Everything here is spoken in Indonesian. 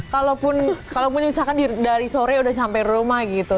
kalaupun misalkan dari sore udah sampai rumah gitu